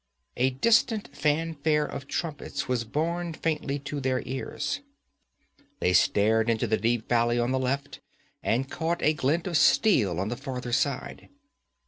A distant fanfare of trumpets was borne faintly to their ears. They stared into the deep valley on the left, and caught a glint of steel on the farther side.